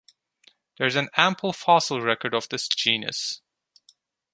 There is an ample fossil record of this genus.